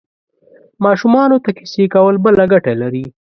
ماشومانو ته کیسې کول بله ګټه لري.